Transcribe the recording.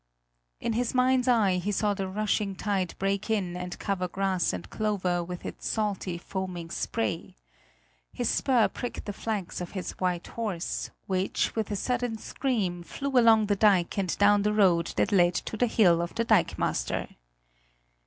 In his mind's eye he saw the rushing tide break in and cover grass and clover with its salty, foaming spray. His spur pricked the flanks of his white horse, which, with a sudden scream, flew along the dike and down the road that led to the hill of the dikemaster.